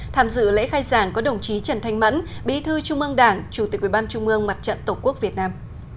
tham dự lễ khai giảng có đồng chí trần thanh mẫn bí thư trung ương đảng chủ tịch ubnd mặt trận tổ quốc việt nam